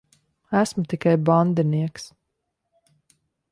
Esmu tikai bandinieks.